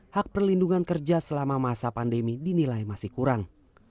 hak perlindungan kerja selama masa pandemi dinilai masih kurang